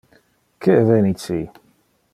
Que eveni ci?